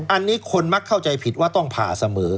อันนี้คนมักเข้าใจผิดว่าต้องผ่าเสมอ